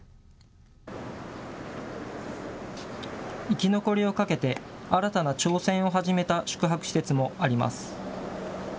生き残りをかけて新たな挑戦を始めた宿泊施設もあります。